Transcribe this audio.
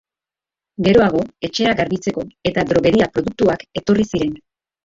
Geroago etxea garbitzeko eta drogeria produktuak etorri ziren.